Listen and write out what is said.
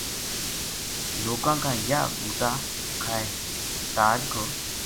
لوکاں کا یاہ بُو ٹا کھائے تاج ک